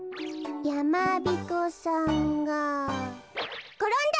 やまびこさんがころんだ！